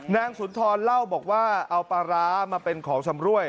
สุนทรเล่าบอกว่าเอาปลาร้ามาเป็นของชำรวย